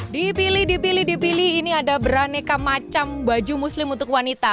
dipilih dipilih dipilih ini ada beraneka macam baju muslim untuk wanita